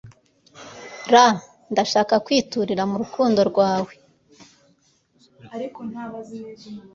r/ndashaka kwiturira mu rukundo rwawe